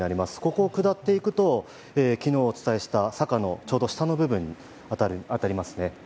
ここを下っていくと昨日、お伝えした、坂のちょうど下部分に当たりますね。